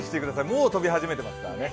もう飛び始めていますからね。